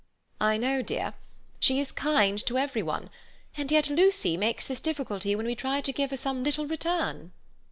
"I know, dear. She is kind to everyone, and yet Lucy makes this difficulty when we try to give her some little return."